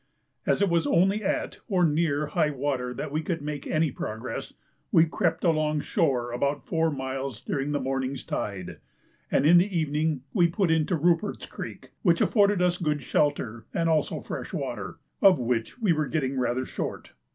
As it was only at, or near, high water that we could make any progress, we crept along shore about four miles during the morning's tide, and in the evening we put into Rupert's Creek, which afforded us good shelter, and also fresh water, of which we were getting rather short.